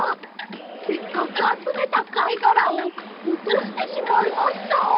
せっかくあつめたかいがらをおとしてしまいました。